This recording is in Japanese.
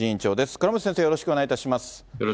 倉持先生、よろしくお願いいたします。